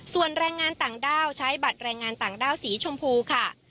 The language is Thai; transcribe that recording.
ส่วนแรงงานต่างด้าวใช้บัตรแรงงานต่างด้าวสีชมพูค่ะ